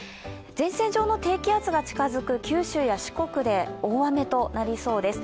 前線上の低気圧が近づく九州や四国で大雨となりそうです。